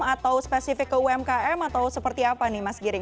atau spesifik ke umkm atau seperti apa nih mas giring